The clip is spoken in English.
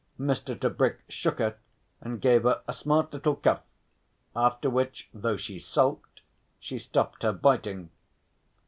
Mr. Tebrick shook her and gave her a smart little cuff, after which, though she sulked, she stopped her biting.